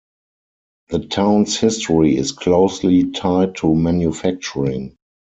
The town's history is closely tied to manufacturing.